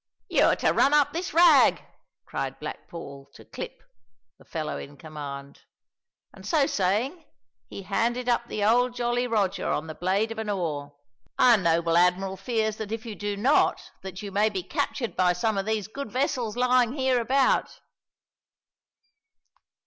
"You are to run up this rag," cried Black Paul to Clip, the fellow in command; and so saying, he handed up the old Jolly Roger on the blade of an oar. "Our noble admiral fears that if you do not that you may be captured by some of these good vessels lying hereabout."